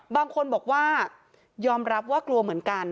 บางคนบอกว่ายอมรับว่ากลัวเหมือนกัน